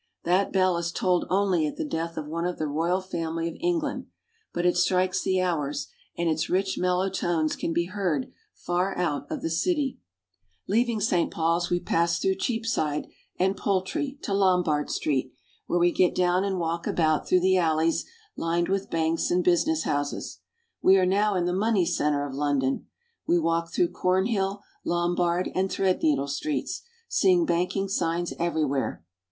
That bell is tolled only at the death of one of the royal family of England, but it strikes the hours, and its rich mellow tones can be heard far out of the city. Saint Paul's Cathedral. LONDON. 71 Leaving Saint Paul's, we pass through Cheapside and Poultry to Lombard Street, where we get down and walk about through the alleys lined with banks and business houses. We are now in the money center of London. We walk through Cornhill, Lombard, and Threadneedle Streets, seeing banking signs everywhere.